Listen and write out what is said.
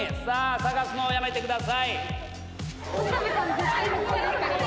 捜すのをやめてください。